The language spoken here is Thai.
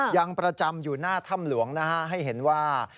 ยังประจำอยู่หน้าถ้ำหลวงนะฮะให้เห็นว่า